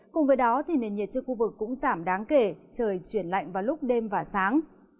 cùng với đó nền nhiệt trên khu vực cũng giảm đáng kể trời chuyển lạnh vào lúc đêm và sáng